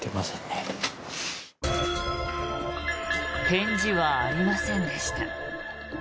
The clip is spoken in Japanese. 返事はありませんでした。